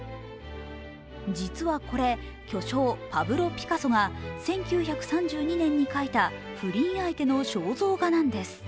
実はこれ、巨匠・バブロ・ピカソが１９３２年に描いた不倫相手の肖像画なんです。